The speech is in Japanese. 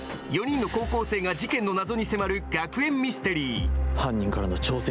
４人の高校生が事件の謎に迫る学園ミステリー。